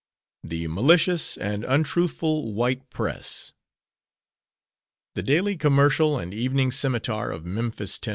4 The MALICIOUS and UNTRUTHFUL WHITE PRESS The Daily Commercial and Evening Scimitar of Memphis, Tenn.